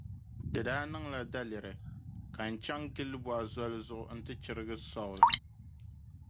Di daa niŋla daliri ka n chaŋ Gilibɔa Zoli zuɣu nti chirigi Saul.